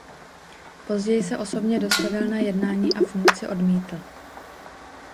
Později se osobně dostavil na jednání a funkci odmítl.